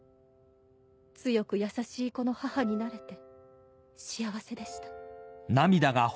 強く優しい子の母になれて幸せでした。